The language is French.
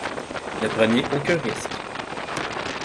Ne prenez aucun risque.